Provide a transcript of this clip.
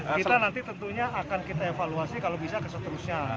kita nanti tentunya akan kita evaluasi kalau bisa keseterusnya